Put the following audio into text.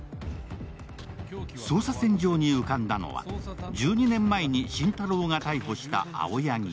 捜査線上に浮かんだのは、１２年前に心太朗が逮捕した青柳。